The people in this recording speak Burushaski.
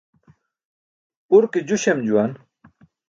Urke ju śem juwan.